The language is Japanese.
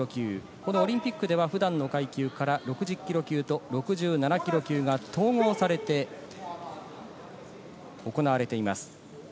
このオリンピックでは普段の階級から６０ｋｇ級と６７ｋｇ級が統合されて行われています。